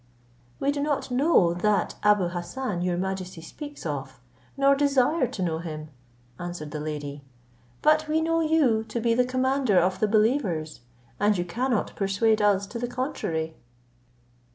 "We do not know that Abou Hassan you majesty speaks of, nor desire to know him," answered the lady; "but we know you to be the commander of the believers, and you cannot persuade us to the contrary."